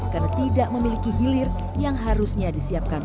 karena tidak memiliki hilir yang harusnya disiapkan